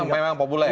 memang populer ya